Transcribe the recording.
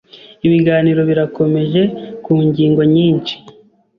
Ibiganiro birakomeje ku ngingo nyinshi